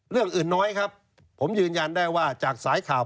เรื่องอื่นน้อยครับผมยืนยันได้ว่าจากสายข่าว